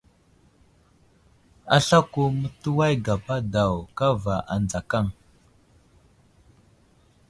Aslako mətuway gapa daw kava adzakaŋ.